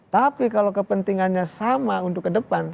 tapi kalau kepentingannya sama untuk ke depan